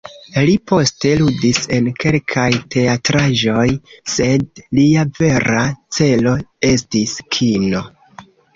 Li poste ludis en kelkaj teatraĵoj, sed lia vera celo estis kino.